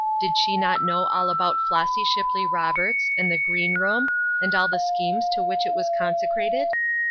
Did she not know all about Flossy Shipley Roberts, and the " green room," and all the schemes to which it was consecrated